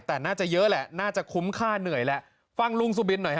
แต่น่าจะเยอะแหละน่าจะคุ้มค่าเหนื่อยแหละฟังลุงสุบินหน่อยฮ